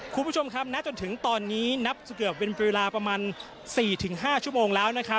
คุณผู้ชมครับณจนถึงตอนนี้นับเกือบเป็นเวลาประมาณ๔๕ชั่วโมงแล้วนะครับ